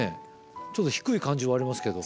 ちょっと低い感じはありますけど。